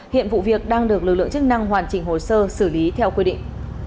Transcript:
hiện vụ việc đang được lực lượng chức năng hoàn chỉnh hồ sơ xử lý theo quy định